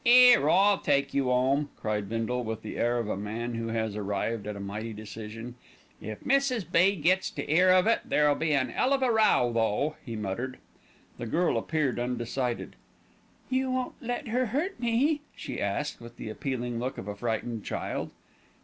"'Ere, I'll take you 'ome," cried Bindle, with the air of a man who has arrived at a mighty decision. "If Mrs. B. gets to 'ear of it, there'll be an 'ell of a row though," he muttered. The girl appeared undecided. "You won't let her hurt me?" she asked, with the appealing look of a frightened child.